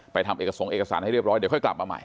ทำเอกสงค์เอกสารให้เรียบร้อยเดี๋ยวค่อยกลับมาใหม่